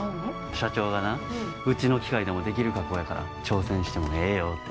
社長がなうちの機械でもできる加工やから挑戦してもええよって。